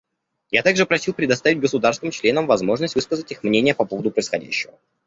Я также просил предоставить государствам-членам возможность высказать их мнения по поводу происходящего.